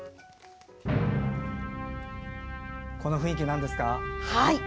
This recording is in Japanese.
この雰囲気なんですか？